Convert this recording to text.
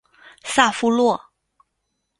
萨夫洛。